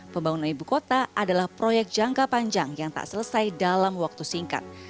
pembangunan ibu kota adalah proyek jangka panjang yang tak selesai dalam waktu singkat